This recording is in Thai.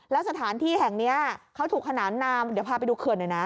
แล้วสถานที่แห่งนี้เขาถูกขนานนามเดี๋ยวพาไปดูเขื่อนหน่อยนะ